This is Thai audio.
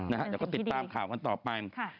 เดี๋ยวก็ติดตามข่าวกันต่อไป